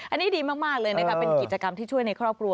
อันนี้ดีมากเลยนะคะเป็นกิจกรรมที่ช่วยในครอบครัว